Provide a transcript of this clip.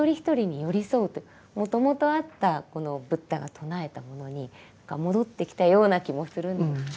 もともとあったこのブッダが唱えたものに戻ってきたような気もするんですが。